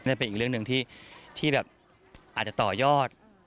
จะเป็นอีกเรื่องหนึ่งที่แบบอาจจะต่อยอด